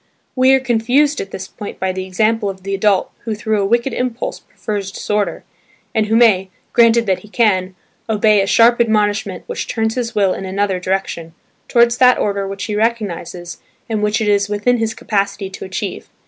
We are confused at this point by the example of the adult who through a wicked impulse prefers disorder, and who may (granted that he can) obey a sharp admonishment which turns his will in another direction, towards that order which he recognises and which it is within his capacity to achieve.